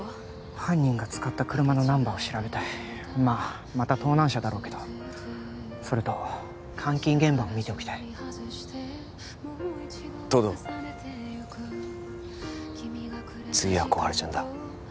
犯人が使った車のナンバーを調べたいまあまた盗難車だろうけどそれと監禁現場を見ておきたい東堂次は心春ちゃんだ